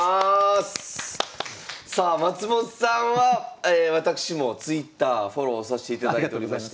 さあ松本さんは私もＴｗｉｔｔｅｒフォローさしていただいておりまして。